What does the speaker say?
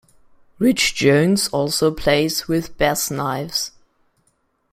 Rich Jones also plays with Bassknives.